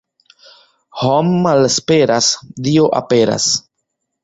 Hom' malesperas, Dio aperas.